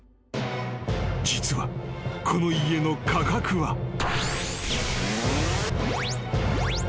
［実はこの家の価格は］